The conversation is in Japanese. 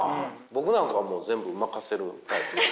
僕なんかはもう全部任せるタイプ。